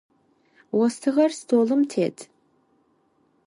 Остыгъэр столым тет.